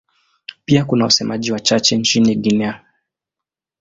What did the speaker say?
Pia kuna wasemaji wachache nchini Guinea.